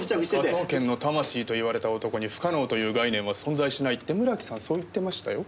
科捜研の魂と言われた男に不可能という概念は存在しないって村木さんそう言ってましたよ？